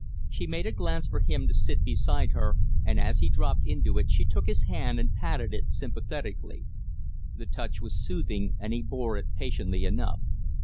She made a place for him beside her, and as he dropped into it she took his hand and patted it sympathetically. The touch was soothing, and he bore it patiently enough.